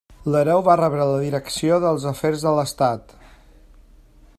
L'hereu va rebre la direcció dels afers de l'estat.